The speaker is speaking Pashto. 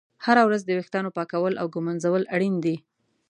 هره ورځ د ویښتانو پاکول او ږمنځول اړین دي.